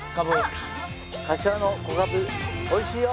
柏の小かぶおいしいよ。